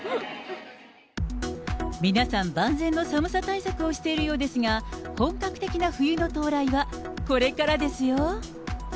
皆さん、万全の寒さ対策をしているようですが、本格的な冬の到来はこれからですよ。